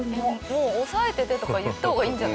もう「押さえてて」とか言った方がいいんじゃない？